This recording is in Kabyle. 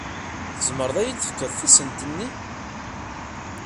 Tzemreḍ ad iyi-d-tefkeḍ tisent-nni?